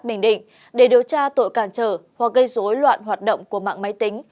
bình định để điều tra tội cản trở hoặc gây dối loạn hoạt động của mạng máy tính